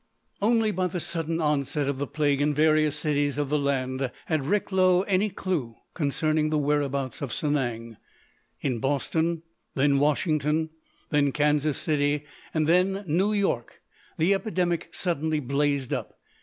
Only by the sudden onset of the plague in various cities of the land had Recklow any clew concerning the whereabouts of Sanang. In Boston, then Washington, then Kansas City, and then New York the epidemic suddenly blazed up.